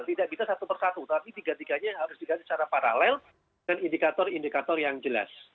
tidak bisa satu persatu tapi tiga tiganya harus diganti secara paralel dengan indikator indikator yang jelas